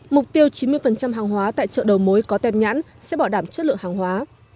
mục tiêu chín mươi hàng hóa tại chợ đầu mối có tem nhãn sẽ bảo đảm chất lượng hàng hóa